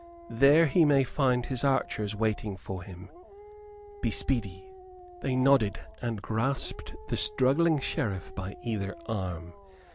There he may find his archers waiting for him. Be speedy." They nodded and grasped the struggling Sheriff by either arm.